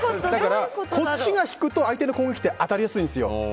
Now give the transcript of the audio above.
こっちが引くと相手の攻撃って当たりやすいんですよ。